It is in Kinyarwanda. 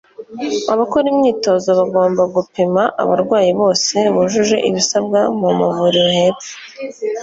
Abakora imyitozo bagomba gupima abarwayi bose bujuje ibisabwa mu mavuriro hepfo: